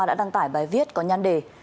đã đăng tải bài viết có nhăn đề